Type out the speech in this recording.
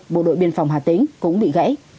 bộ đội biên phòng hà tĩnh cũng bị gãy